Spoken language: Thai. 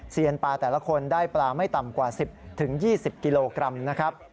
ปลาแต่ละคนได้ปลาไม่ต่ำกว่า๑๐๒๐กิโลกรัมนะครับ